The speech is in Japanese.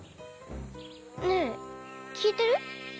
ねえきいてる？